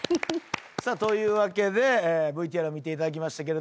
さあというわけでＶＴＲを見ていただきましたけれども。